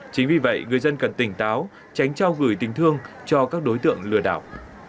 chính vì vậy người dân cần tỉnh táo tránh trao gửi tình thương cho các đối tượng lừa đảo